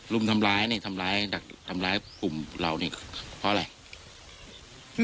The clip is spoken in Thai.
รุมทำร้ายนี่ทำร้ายดักทำร้ายกลุ่มเรานี่เพราะอะไร